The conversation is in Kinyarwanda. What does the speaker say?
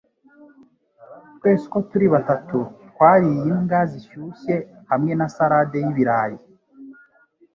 Twese uko turi batatu twariye imbwa zishyushye hamwe na salade y'ibirayi.